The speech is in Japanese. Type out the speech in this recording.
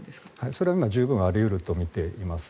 それは十分にあり得ると見ています。